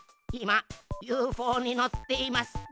いまユーフォーにのっています。